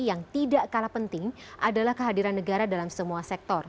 yang tidak kalah penting adalah kehadiran negara dalam semua sektor